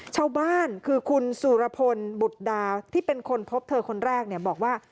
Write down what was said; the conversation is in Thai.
ชาวบ้านคือคุณสุรพลบุตรดาที่เป็นคนพบเธอคนแรกเนี่ยบอกว่า